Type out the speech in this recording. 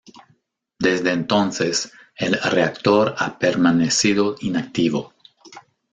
Desde entonces el reactor ha permanecido inactivo.